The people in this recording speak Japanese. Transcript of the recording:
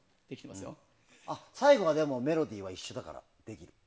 最後はでもメロディーは一緒だから。